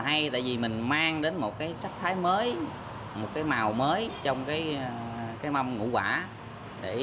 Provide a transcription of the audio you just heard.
hay tại vì mình mang đến một cái sắc thái mới một cái màu mới trong cái mâm ngũ quả để